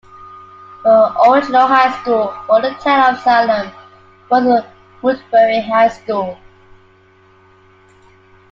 The original high school for the town of Salem was Woodbury High School.